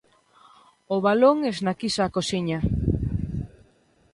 O balón esnaquiza a cociña.